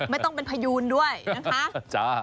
ไม่ต้องเป็นพยูนด้วยนะคะ